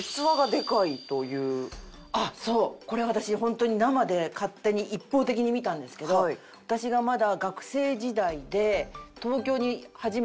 これ私本当に生で勝手に一方的に見たんですけど私がまだ。